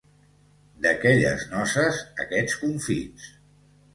D'aquelles noces, aquests confits.